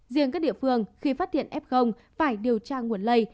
riêng các địa phương khi phát hiện f phải điều tra nguồn lây